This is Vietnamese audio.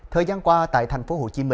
thời gian qua tại tp hcm